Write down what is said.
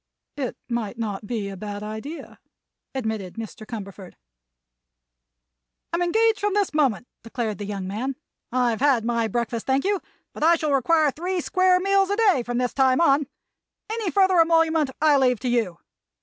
"It might not be a bad idea," admitted Mr. Cumberford. "I'm engaged from this moment," declared the young man. "I've had my breakfast, thank you, but I shall require three square meals a day from this time on. Any further emolument I leave to you.